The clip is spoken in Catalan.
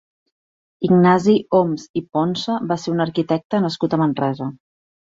Ignasi Oms i Ponsa va ser un arquitecte nascut a Manresa.